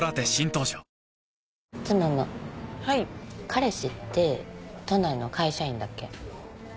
彼氏って都内の会社員だっけ？